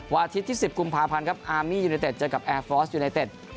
อาทิตย์ที่๑๐กุมภาพันธ์ครับอาร์มียูเนเต็ดเจอกับแอร์ฟอร์สยูไนเต็ด